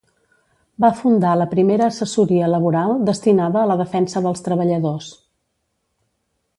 Va fundar la primera Assessoria Laboral destinada a la defensa dels treballadors.